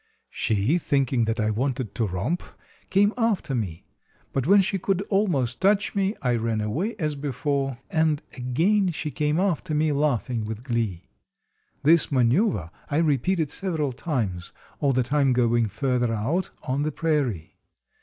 She, thinking that I wanted to romp, came after me; but when she could almost touch me, I ran away as before, and again she came after me, laughing with glee. This maneuver I repeated several times, all the time going further out on the prairie.